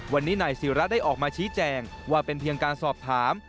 วันนี้นายศิระได้ออกมาชี้แจงว่าเป็นเพียงการสอบถาม